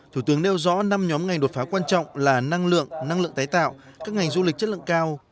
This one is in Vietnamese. thủ tướng nêu rõ năm nhóm ngành đột phá quan trọng là năng lượng năng lượng tái tạo các ngành du lịch chất lượng cao